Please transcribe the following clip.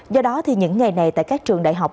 do đó thì những ngày này tại các trường đại học